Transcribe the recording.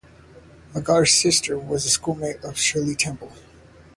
Agar's sister was a schoolmate of Shirley Temple.